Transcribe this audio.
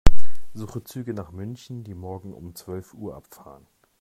Suche Züge nach München, die morgen um zwölf Uhr abfahren.